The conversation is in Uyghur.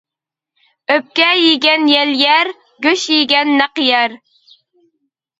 ئۆپكە يېگەن يەل يەر، گۆش يېگەن نەق يەر.